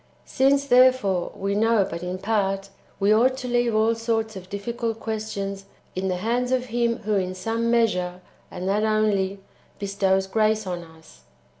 "*/ Since, therefore, we know but in part, we ought to leave all sorts of [difficult] questions in the hands of Him who in some measure, [and that only,] bestows grace on us.